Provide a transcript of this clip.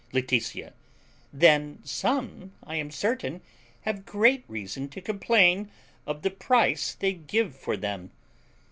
Laetitia. Then some, I am certain, have great reason to complain of the price they give for them.